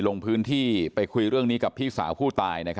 ลงพื้นที่ไปคุยเรื่องนี้กับพี่สาวผู้ตาย